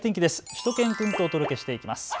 しゅと犬くんとお届けしていきます。